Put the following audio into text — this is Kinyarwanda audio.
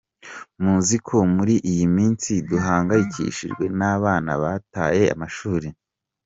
Muzi ko muri iyi minsi duhangayikishijwe n’abana bataye amashuri.